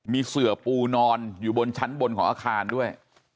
มีเสือปูนอนอยู่บนชั้นบนของอาคารด้วย